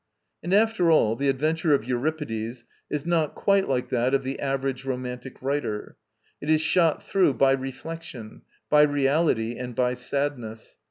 And after all the adventure of Euripides is not quite like that of the average romantic writer. It is shot through by reflection, by reality and by sadness.